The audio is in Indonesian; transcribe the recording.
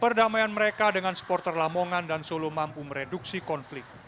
perdamaian mereka dengan supporter lamongan dan solo mampu mereduksi konflik